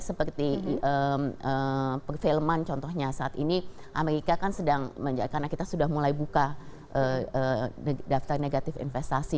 seperti perfilman contohnya saat ini amerika kan sedang karena kita sudah mulai buka daftar negatif investasi